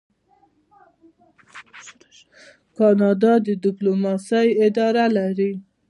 کاناډا د ډیپلوماسۍ اداره لري.